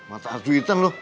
mata duitnya loh